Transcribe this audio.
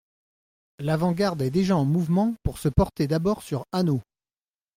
L'avant-garde est déjà en mouvement pour se porter d'abord sur Hanau.